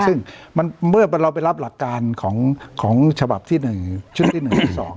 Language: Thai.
ซึ่งเมื่อเราไปรับหลักการของฉบับที่๑ชุดที่๑ที่๒